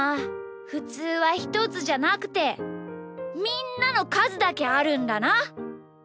ふつうはひとつじゃなくてみんなのかずだけあるんだな！